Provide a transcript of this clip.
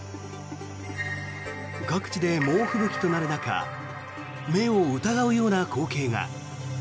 各地で猛吹雪となる中目を疑うような光景が。